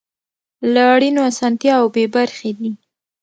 له اړینو اسانتیاوو بې برخې دي.